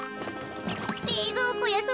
れいぞうこやそう